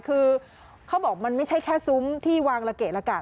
คือเขาบอกมันไม่ใช่แค่ซุ้มที่วางละเกะละกะ